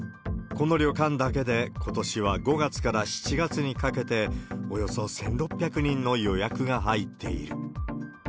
この旅館だけで、ことしは５月から７月にかけて、およそ１６００人の予約が入っている。